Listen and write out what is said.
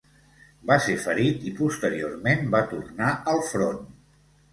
Va ser ferit i posteriorment va tornar al front.